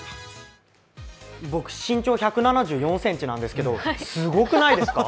僕、身長１７４ｃｍなんですけど、すごくないですか？